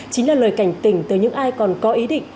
chính là lời cảnh tỉnh tới những ai còn có ý định